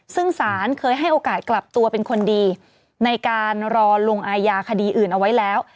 ซึ่งสารเคยให้โอกาสกลับตัวเป็นคนดีในการรอลงอายาคดีอื่นเอาไว้แล้ว